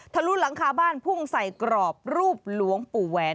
ลุหลังคาบ้านพุ่งใส่กรอบรูปหลวงปู่แหวน